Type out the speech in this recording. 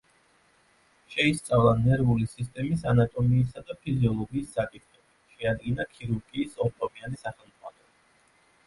შეისწავლა ნერვული სისტემის ანატომიისა და ფიზიოლოგიის საკითხები, შეადგინა ქირურგიის ორტომიანი სახელმძღვანელო.